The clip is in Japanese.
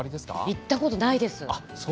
行ったことないです。